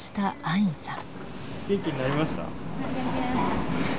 はい元気になりました。